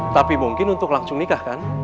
tapi mungkin untuk langsung nikah kan